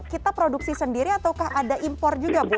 kita produksi sendiri ataukah ada impor juga bu